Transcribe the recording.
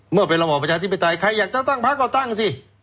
เมื่อเป็นระบอบประชาธิปไตยใครอยากจะตั้งพักก็ตั้งสิ